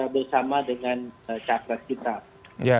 bersama dengan catres kita